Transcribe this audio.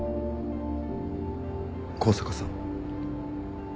香坂さん。